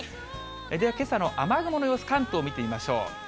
ではけさの雨雲の様子、関東見てみましょう。